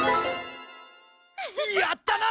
やったな！